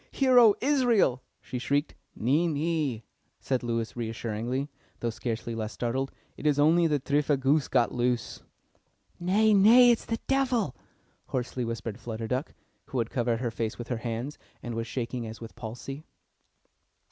"Hear, O Israel!" she shrieked. "Nee, nee," said Lewis reassuringly, though scarcely less startled. "It is only the tripha goose got loose." "Nay, nay, it is the Devil!" hoarsely whispered Flutter Duck, who had covered her face with her hands, and was shaking as with palsy.